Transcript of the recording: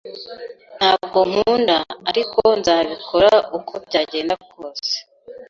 Ntabwo nkunda, ariko nzabikora uko byagenda kose.